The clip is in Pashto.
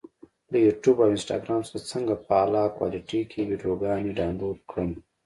له یوټیوب او انسټاګرام څخه څنګه په اعلی کوالټي کې ویډیوګانې ډاونلوډ کړم؟